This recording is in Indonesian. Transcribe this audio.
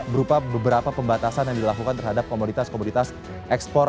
berupa beberapa pembatasan yang dilakukan terhadap komoditas komoditas ekspor